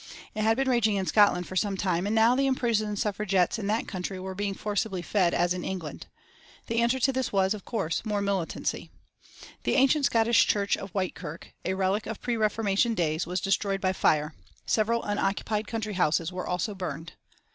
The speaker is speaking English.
It had been raging in Scotland for some time, and now the imprisoned Suffragettes in that country were being forcibly fed as in England. The answer to this was, of course, more militancy. The ancient Scottish church of Whitekirk, a relic of pre Reformation days, was destroyed by fire. Several unoccupied country houses were also burned.